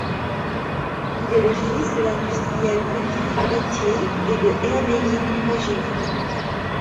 Il est le fils de l’industriel Wilfrid Gauthier et de Herméline Pagé.